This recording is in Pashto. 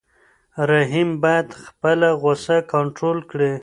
رحیم باید خپله غوسه کنټرول کړي.